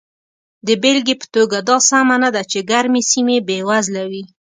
د بېلګې په توګه دا سمه نه ده چې ګرمې سیمې بېوزله وي.